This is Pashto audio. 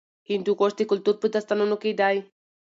هندوکش د کلتور په داستانونو کې دی.